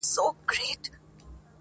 یو عطار وو یو طوطي یې وو ساتلی،